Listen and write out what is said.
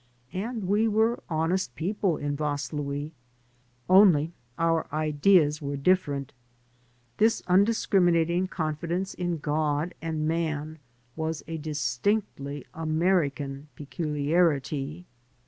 And we were honest people in Vaslui; only our ideas were diflF»ait. This undiscriminatiQg confidmoe in God and man was a distinctly Amoican peculiarity.